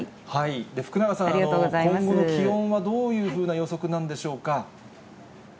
福永さん、今後の気温はどういうふうな予測なんでしょうか。